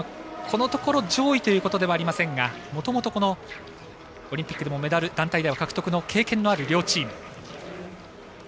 このところ上位ということではありませんがもともとオリンピックでもメダル団体でも獲得の経験のある両チーム。